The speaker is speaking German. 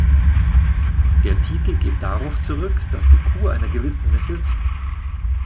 Der Titel geht darauf zurück, dass die Kuh einer gewissen Mrs.